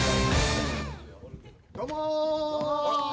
どうも！